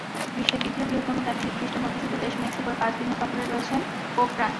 বিশ্বের দ্বিতীয় বৃহত্তম ক্যাথলিক খ্রিষ্টান-অধ্যুষিত দেশ মেক্সিকোয় পাঁচ দিনের সফরে রয়েছেন পোপ ফ্রান্সিস।